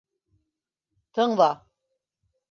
Тыңла...